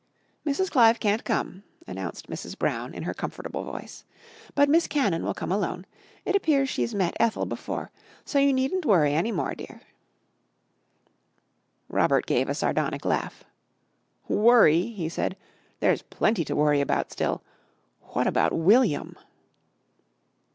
"Mrs. Clive can't come," announced Mrs. Brown in her comfortable voice, "but Miss Cannon will come alone. It appears she's met Ethel before. So you needn't worry any more, dear." Robert gave a sardonic laugh. "Worry!" he said, "There's plenty to worry about still. What about William?"